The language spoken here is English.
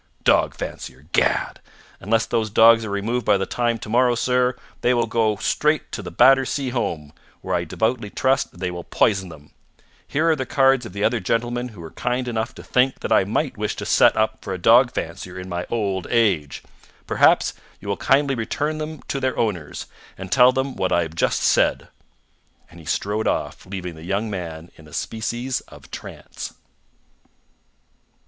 "Dog fancier! Gad! Unless those dogs are removed by this time to morrow, sir, they will go straight to the Battersea Home, where I devoutly trust they will poison them. Here are the cards of the other gentlemen who were kind enough to think that I might wish to set up for a dog fancier in my old age. Perhaps you will kindly return them to their owners, and tell them what I have just said." And he strode off, leaving the young man in a species of trance.